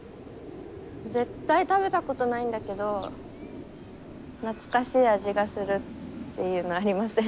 絶対食べたことないんだけど懐かしい味がするっていうのありません？